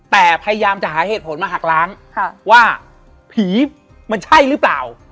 แต่พยายามจะหาเหตุผลมาหักล้างว่าผีมันใช่หรือเปล่า